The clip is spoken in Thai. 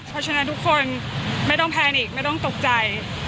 เพราะฉะนั้นทุกคนไม่ต้องแพนอีกไม่ต้องตกใจ